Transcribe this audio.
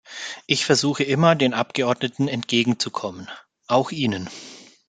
Ich versuche immer, den Abgeordneten entgegenzukommen – auch Ihnen.